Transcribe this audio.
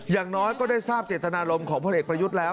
อย่างน้อยก็ได้ทราบเจตนารมณ์ของพลเอกประยุทธ์แล้ว